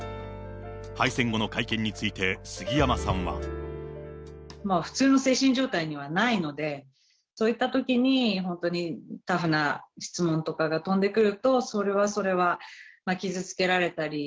敗戦後の会見について杉山さんは。普通の精神状態にはないので、そういったときに、本当にタフな質問とかが飛んでくると、それはそれは傷つけられたり。